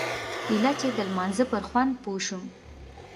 ايله چې د لمانځه پر خوند پوه سوم.